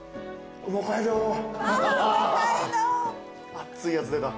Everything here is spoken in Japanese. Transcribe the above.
熱いやつ出た。